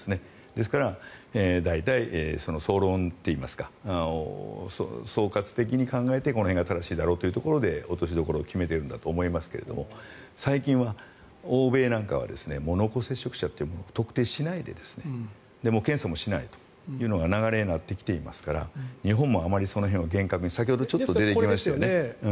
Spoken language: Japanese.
ですから大体総論といいますから総括的に考えて、この辺が正しいだろうということで落としどころを決めているんだと思いますが最近は欧米なんかは濃厚接触者というものを特定しないで検査もしないというふうになってきていますから日本もあまりその辺を厳格にさっきちょっと出てきましたよね。